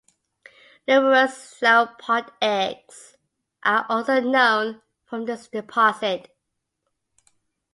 Numerous sauropod eggs are also known from this deposit.